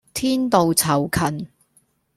天道酬勤